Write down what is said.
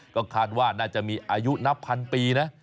ก็คาดว่าน่าจะมีอายุนับพันปีนะ